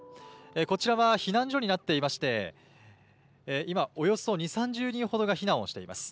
こちらは避難所になっていまして、今、およそ２、３０人ほどが避難をしています。